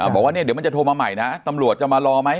บอกว่าเนี่ยเดี๋ยวมันจะโทรมาใหม่นะตำรวจจะมารอไหม